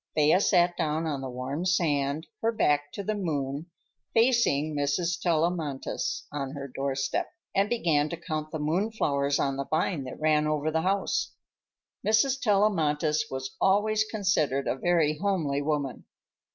Thea sat down on the warm sand, her back to the moon, facing Mrs. Tellamantez on her doorstep, and began to count the moon flowers on the vine that ran over the house. Mrs. Tellamantez was always considered a very homely woman.